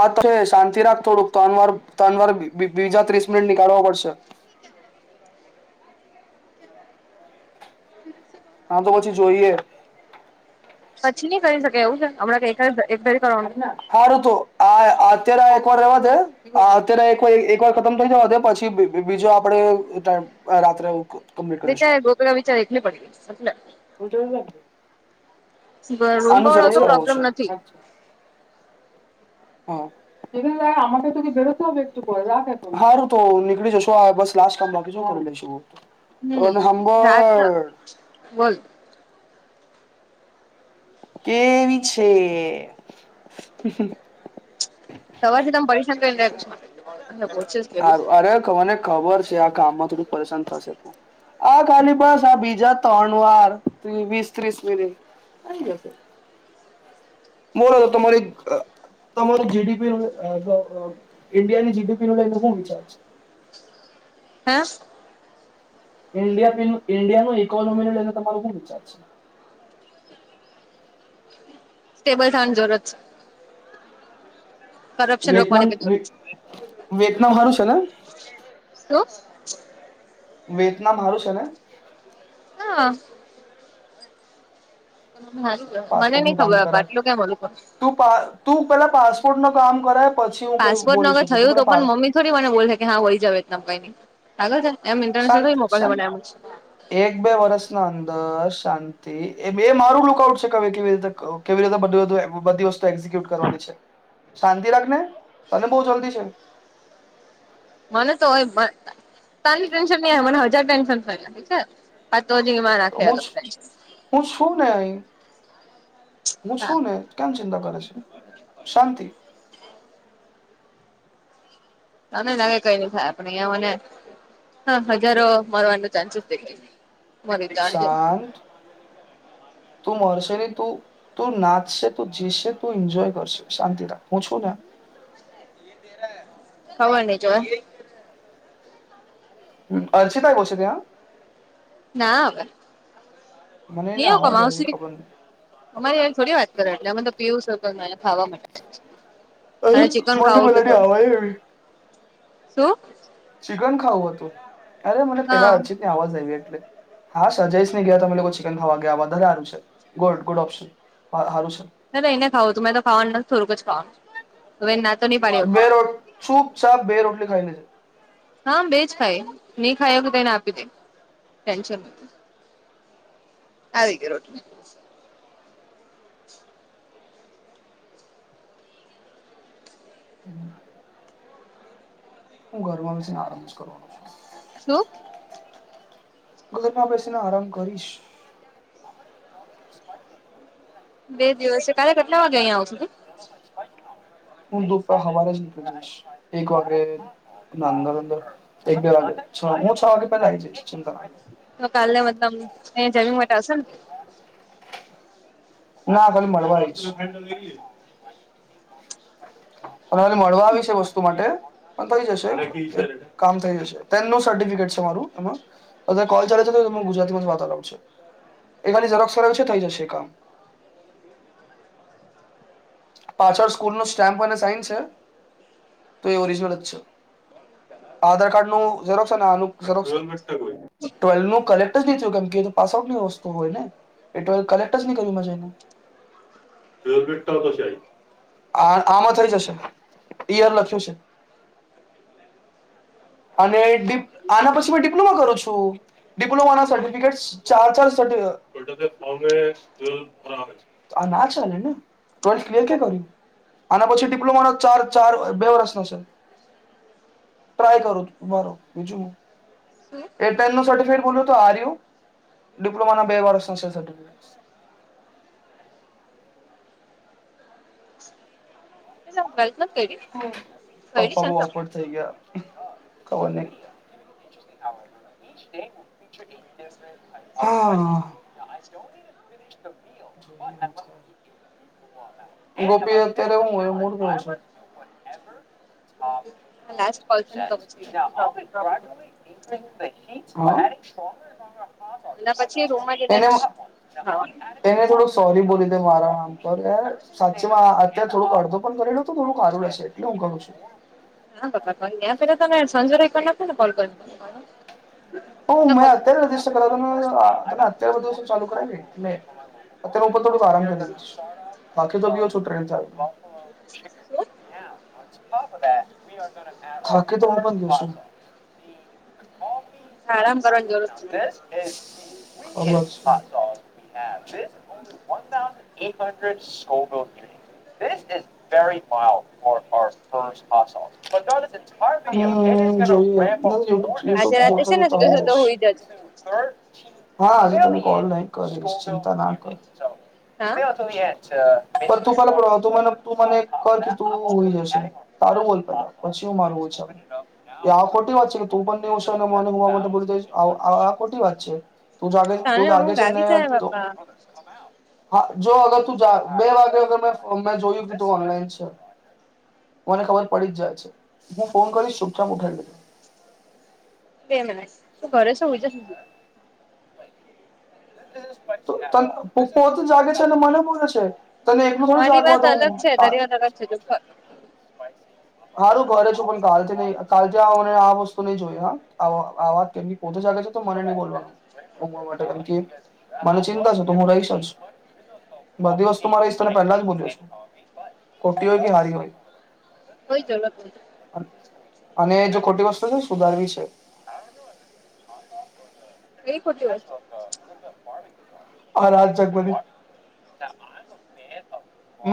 આ તો શાંતિ રાગ થોડુંક ત્ર વાર ત્રન વાર બીજા ત્રીસ મિનિટ નીકળવાો પડશે. આ તો પછી જોઈએ. પછી નઈ કરી શકે એવું છે હમણાં કઈક હ ફારું તો આ અત્યારે એક વાર રવા દે અત્યારેર એક વાર ખતમ થઈ જવા દે પછી બીજું આપડે રાત્રે કમ્પ્લીટ વિચાર ગોકેલા વિચાર એકને પડી ગ મત હ જોર પે રૂમ આનું ભાડો શરૂ તો કરવો પ્રોબ્લેમ છો. નથી [inaudible] રાખેાર તો નીકળી જશ બસ લાસ ટાઈમકીી હમ અને રાત હંબાદ બોલ કેવી છે. સવારથી તમ પરશ કરીને છો કોશિશ કરી હારું અરે મને ખબર છે આ કામમાં થોડું પરેશાન થશે પણ આ ખાલી બસ આ બીજા ત્રણ વાર વીસ ત્રીસ મિનિટ અ દશે મોરાદ તમારે. તમારું જીડીપી નું ઇન્ડિયાની જીડીપી નું લઈને હું વિચાર છે. [inaudible] [inaudible] ઇન્ડિયા ઇન્ડિયાનું ઇકોનોમીને લઈને તમારો ખુબ વિચાર છે. સ્ટેબલ થવાની જરૂરત છે. કરપ્શન વેતનામ રોકવાની જરૂર છે વેતનામ સારું છે ને. હલો. વેતનામ સરું છે ને. [inaudible] મને પાસપોર્ટ નઈ નું કામ ખબર કરાય આટલું કેમ ઓલું કરું તું તું પેલા પાસપોર્ટ નું કામ કરે. પાસપોર્ટ નો અગર થયું તો પણ મમ્મી થોડી મને બોલ કે હા વઈ જાવમ કાઈ ની ખાગર છે એમ ઇન્ટરનેશનલ શંત થોડી મોકલશે શંત મને એમ જ એક બે વર્ષના અંદર શાંતિ મારું લુક આઉટ છે ક કેવી રીતે કેવી રીતે બધી વસ્તુ શાંતિ રાખને તને બહ જલ્દી છે. મને તો હોય ત ટેન્શન નહી મને હજાર ટેન્શન થઠીક છે. તો જીમાં તો નાખે હુંશ અલગ ટેન્શન હુંશુંન આહી હૂ હા છું ને કેમ ચિંતા કરે છે શાંતિ. તમે નાે કઈ ન થાય આપે અંઓ ને હા હજારો મારવાનું ચાન્સસ છે. શંત તુંમરષ ત નાચશે જીશે ત એન્જોય કરશે શાંતિ રા હું છું ને. [inaudible] હવા નિજ. હ અર્ચિતા કોો છેિત હ [inaudible] મને એને એવું આવાજ આવી કમાવશેું ખબર નહી અમારી થોડી વાત કરે એટલે અમે તો પીવું છે પણ ખાવા માટે, અરે મારે ચિકન મને ખાવું છે પેલાની તો. આવાજ આવી શું? ચિકન ખાવું હતું. અરે, મને પેલા હા અડચિતની અવાજ આવી એટલે હા, સર જયસની ગયા તમે લોકો ચિકન ખાવા ગયા વધારે સારું છે. ગુડ ગુડ ઓપ્શન સારું છે. ના, ના એને ખાવું હતું. મેં તો ખાવાનું નથી થોડુંક ખવાનું હવે ના તો નહી પાડી બે રોટ ચૂપચાપ બે રોટલી ખાઈલી જે. હા, બેજ ખાય. નહી ખાય કે, તેને આપી દે ટેન્શન નથી. આવી ઞઇ રોટલી. [inaudible] હું ઘરમાં બેસીને આરામ જ કરવાનો છું. શું? ઘરમાં બેસીને આરામ કરીશ. [unintelligible] બે દિવસ છે. કાલે કેટલા વાગે અહીંયા આવશું તું. હું ઢોસા સવારે જ ખાઈશ એક વાઞે. ના, અંદર અંદર એક બે વાગે છ હું છ વાગે પહેલા આવી જઈશ ચિંતા તો કાલે મતલબ અહીં જમી માટે આવશેો ને ના ભલી મળવા આઇશ. હવારે મળવા આવી છે વસ્તુ માટે? થઈ જશે. કામ થઈ જશે, તેનું સર્ટિફિકેટ છે મારું એમાં કોલ ચાલે છે. હું, ગુજરાતીમા જ વાત ચલાવુ એ ખાલી ઝેરોક્ષ કઢાવી છે થઈ જશે કામ. પાછળ સ્કૂલનો સ્ટેમ્પ અને સાઈન છે તો એ ઓરિજિનલ જ છે. આધાર કાર્ડનું ઝેરોક્ષ અને આનું ઝેરોક્ષ ટ્વેલ્વનું કલેક્ટ જ ની થયું. કેમ કે, એ પાસ જની વસ્તુ હોય ને એટલે કલેક્ટ જહીને [unintelligible] આમાં થઈ જશે. ઈયર લખ્યું છે. [inaudible] અને આના પછી ડિપ્લોમા કરું છું. ડિપ્લોમાના સર્ટિફિકેટ ચાર ચાર આ ના ચાલે ને ટ્વેલ્થ ક્લિયર કયારે કર્યું. અના પછી ડિપ્લોમાં ચાર ચાર, બે વર્ષનો છે. ટ્રાય કરુ. ઉભા રહો, બીજું હું. એટલે એનું સર્ટિફિકેટ બોલો તો આ રહ્યું. ડિપ્લોમાના બે વર્ષ હશે સર્ટિફિકેટ. શું? કરી છે પપ્પા બહુ ને તમે? ઓફવર્ડ થઈ ગયા ખબર નહી. હ.. [inaudible] પીહુ પીહુ ત્યારે હું હોય [unintelligible] પણ હોય છે. આ લાસ્ટ કોલ [inaudible] છે ને તો પછી પ્રોબ્લેમ એના પછી રૂમમાં જઈને જ ખાવાનું. તેને, થોડુંક સોરી બોલ. એટલે હું, આરામ પર યાર સાચેમાં અત્યારે થોડક અડધો પણ કરી લોઉ તો થોડું સારું રહેશે. એટલે હું કરું છું. હા બાપા પેલા તમે સાંજને કોને કોલ કયોઁ. હો મે, અત્યારે તે દિવસે, [unintelligible] અત્યારે બધું ચાલુ કરાયને એટલે. અત્યારે ઉપર થોડુંક આરામ કરીશ બાકી તો બી શું ટ્રેન ચાલે. આેકે. ફાકીતો હું પણ લુંશું. [unintelligible] આરામ કરવાની જરૂર છે. [unintelligible] [unintelligible] [unintelligible] [unintelligible] તો આજે રાતે છે ને હવે સીધો સીધો હુઈ જજે. શું. હા આજ તને કોલ ની કરીશ ચિંતા ના કર. હા તું પેલા તું મને તું મને કર કે તું હોઈ જશે તારું બોલ પેલા પછી. [unintelligible] આ ખોટી વાત છે કે તું પણ છેને [unintelligible] [unintelligible] આ કોટી વાત છે. તું જાગે તું તને જાગે ઊંઘ છે ને. આવી જાય બાપા હા જો અગર તું બે વાગે મે જોયું કે તું ઓનલાઈન છે. મને ખબર પડી જ જાય છે હું ફોન કરીશ ચુપચાપ ઉઠારી લેજે. બે મિનિટ તું ઘરે. [unintelligible] ત પોતે જાગે છે અને મને બોલે છે. તને એકલું થોડી મારી જાગવા વાત અલગ દવું. છે તારી વાત અલગ છે જો હારું ઘરે છું પણ કાલથી નઈ કાલથી મને આ વસ્તુ નહી જોઈ હા આ વાત કેમ કે પોતે છે ને. મને નહી બોલવાનું માટે મને ચિંતા છે તો હું રહીશ. બધી વસ્તુ મારા [unintelligible] ને પેલા જ બોલીશ છે ખોટી હોય કે હારી હોય. હોય જ અલગ. અને જો ખોટી વસ્તુ છે સુધારવી છે. એય ખોટી વસ્તુ. આ રાજ જગપતી.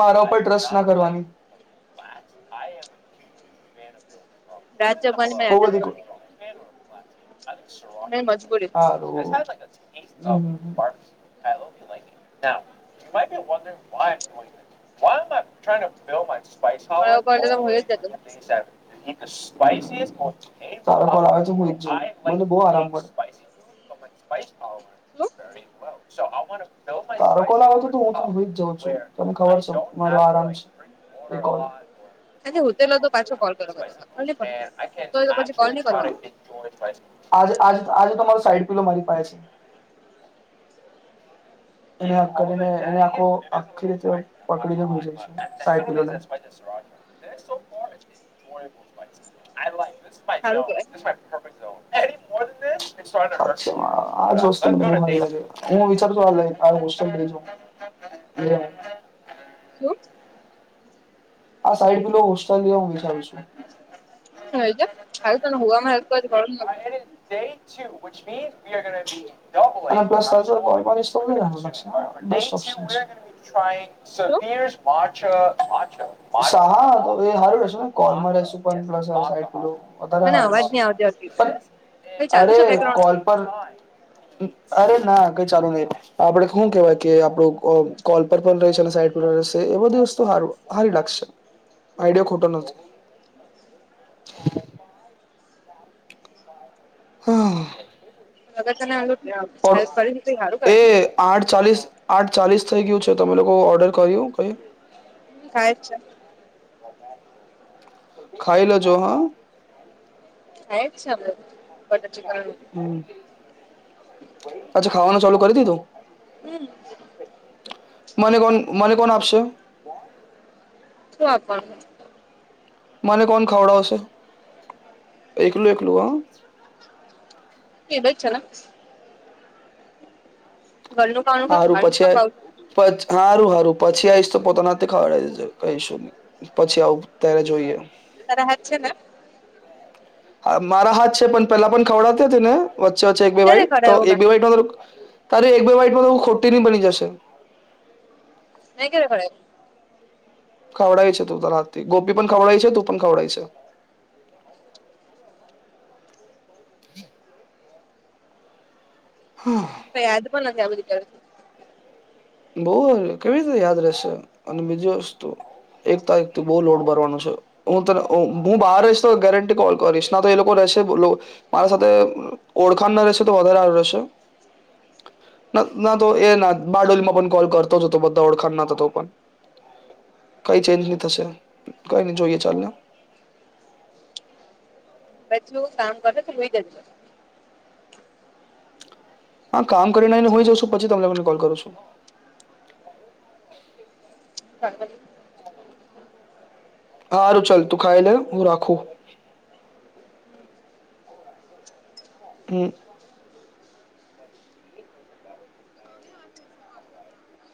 મારા ઉપર ટ્રસ્ટ ના કરવાની. બહુ બધી કો- [unintelligible] મે મજબૂરી હારું [inaudible] મારા ઉપર તો હોય જ જતો ને શું [inaudible] [unintelligible] હું મને બહું આરામ મડે. સ્ાવ. ધારોકો લાગો તો તો હું હોઈ જ જાઉં છું તને ખબર છે મારો આરામ છે. હ [unintelligible] અને હું તો તો પાછો કોલ આ ચસ કર. ચસ. આજ આજે તો મારો સાઈડ પિલો મારી પાસે છે. એ આખો આખી રીતે પકડીને હું જઈશ સા. [inaudible] સારું કેવાય આજ વસ્તુ હું વિચાર છું હ. [inaudible] શું આ સાઈડ પીલો હોસ્ટલ હું વિચારું છું. હ તોને હ વામાં આવું. હા એ જઈ છું. પ શું [unintelligible] ા હર વ. ્લ. મને અવાજ નને આવદે્યો. પણ અરે કોલ પર. અરે ના કઈ ચાલુ નઈ આપડે શું કેવાય કે આપડું કોલ પર પણ રહેશે અને સાઈડ પર રહેશે. એ બધી વસ્તુ હારી લખશે આઈડયો ખોટો નથી. [inaudible] હા. ગ તનેલ હેલ્ પણ કરી સારું એ કરેને. આઠ ચાલીસ આઠ ચાલીસ થઈ ગયું છે તમે લોકો ઓર્ડર કર્યું કય. ને ખાય જ છે ખાઈલો જો હા. આ બટર ચિકન. અચ્છા ખાવાનું ચાલુ કરી દીધું હમ મને કોણ મને કોણ આપશે શપ મને કોણ ખાવડાવશે એકલું એકલું હ એ બે છેલા કામનું કામ હારું બહારનું કામ પછી મારું પ હારું ું પછી આવીઈશ તો પોતાના ખડે કહીશું પછી આવું ત્યારે જોઈએ તાર હ છેના હા મારા હાથ છે પણ પેલા પણ ખવડાતી હતી ને વચ્ચે વચ્ચે એકબી ક્યારે વા્હટ તો કરાયું મેં એકબી વા્ાઈટમાં તારે એક બે વહાઈટમાં તો ખોટી નહી બની જશે મે કે ખડે ખવડાાય છે તું ત રાથી ગોપી પણ ખવડાાય છે તું પણ ખવડાાય છે [inaudible] હમ યાદ પણ નથી આ બધી કર બઉ કેવી રીતે યાદ રહેશે અને બીજું વસ્તુ એકતા એક તું બહુ લોડ ભરવાનું છે હું તને હું બહાર રહીશ તો ગેરંટી કોલ કરીશ ના તો એ લોકો મારા સાથે ઓળખાણ ના રહેશે તો વધારે રહેશે ના તો એ ના બારડોલીમાં કોલ કરતો જ બધા ઓળખ પણ કઈ ચેન્જ નહી થશે કઈ નહી જોઈએ ચાલને પછ કામ કરતો તો જોઈ જજ હા કામ કરીને હોય જઉ શું પછી તમે તને કોલ કરું છું. [inaudible] હારું ચાલ તું ખાઈ લે હું રાખું. કે